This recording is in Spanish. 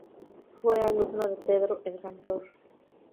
Fue alumno de Pedro el Cantor.